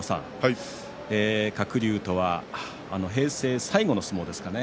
鶴竜とは平成最後の相撲ですかね